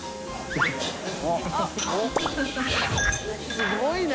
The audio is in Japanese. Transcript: すごいね！